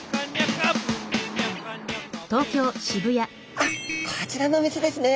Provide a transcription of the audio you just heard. あこちらのお店ですね！